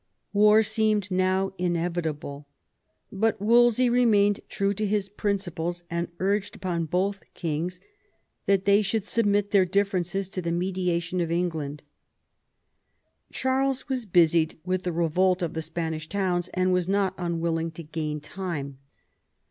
War seemed now inevitable ; but Wolsey remained true to his principles, and utged upon both kings that they should submit their differences to the mediation of England. Charles was busied with the revolt of the Spanish towns, and was not unwilling to gain time.